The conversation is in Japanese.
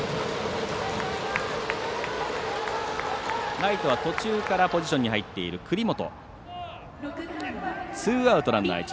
ライトは途中からポジションに入っている栗本。